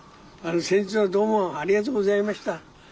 先日はどうもありがとうございました。